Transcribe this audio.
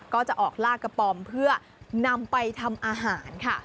ก็จะออกลากกระป๋อมเพื่อนำไปทำอาหารค่ะ